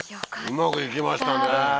うまくいきましたね。